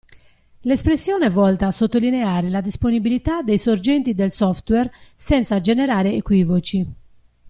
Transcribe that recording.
L'espressione è volta a sottolineare la disponibilità dei sorgenti del software senza generare equivoci.